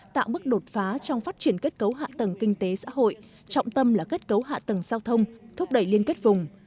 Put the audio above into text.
tạo bước đột phá trong phát triển kết cấu hạ tầng kinh tế xã hội trọng tâm là kết cấu hạ tầng giao thông thúc đẩy liên kết vùng